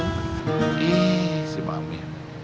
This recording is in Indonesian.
terima kasih mami